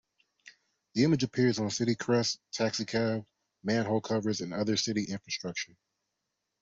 The image appears on city crests, taxi cabs, man-hole covers, and other city infrastructure.